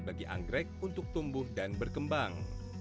bagi anggrek untuk tumbuh dan berkembang